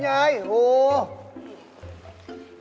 ยายวันนี้ครับยาย